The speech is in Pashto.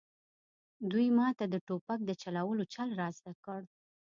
دوی ماته د ټوپک د چلولو چل را زده کړ